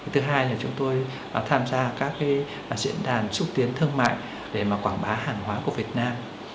thứ hai là chúng tôi tham gia các diễn đàn xúc tiến thương mại để quảng bá hàng hóa của việt nam